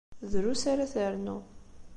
Drus ara ternu.